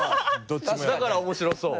だから面白そう。